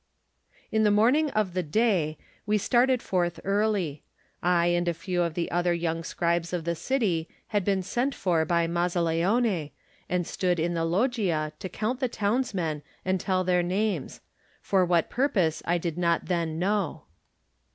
In the morning of The Day we started forth early. I and a few of the other young scribes of the city had been sent for by Mazzaleone, and stood in the loggia to count the townsmen and tell their names — for what purpose I did not then know.